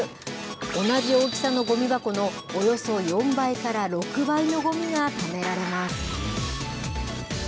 同じ大きさのゴミ箱の、およそ４倍から６倍のごみがためられます。